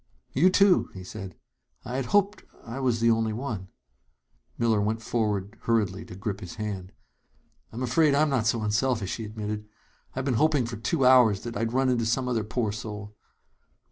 "You, too!" he said. "I had hoped I was the only one " Miller went forward hurriedly to grip his hand. "I'm afraid I'm not so unselfish," he admitted. "I've been hoping for two hours that I'd run into some other poor soul."